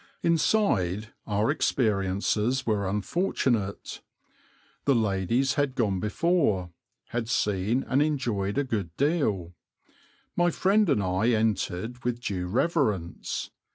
Inside our experiences were unfortunate. The ladies had gone before, had seen and enjoyed a good deal. My friend and I entered with due reverence.